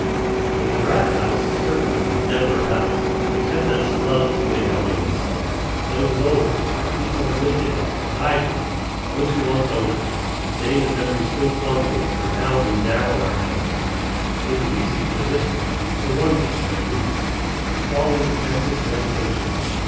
The Murat house, certainly, was never a palace, except as love may have made it so. But it was old; people had lived in it, and died in it; those who once owned it, whose name and memory still clung to it, were now in narrower houses; and it was easy for the visitor for one visitor, at least to fall into pensive meditation.